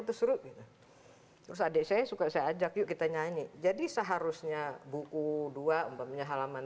itu seru terus adik saya suka saya ajak yuk kita nyanyi jadi seharusnya buku dua umpamanya halaman